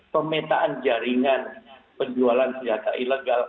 pemetaan jaringan penjualan senjata ilegal